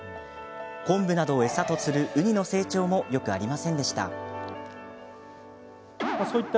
昆布などを餌とするウニの成長もよくありませんでした。